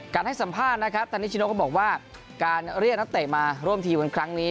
การให้สัมภาษณ์นะครับตอนนี้นิจโน้วก็บอกว่าการเรียกนักเตะมาร่วมทีในคลั้งนี้